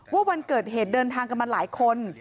วันเกิดเหตุเดินทางกันมาหลายคน